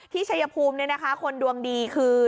ที่ชายภูมิเนี่ยนะคะคนดวงดีคือ